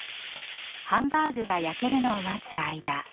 ハンバーグが焼けるのを待つ間。